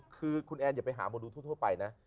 คือคุณแอนอย่าไปหาหมอดูทั่วไปนะ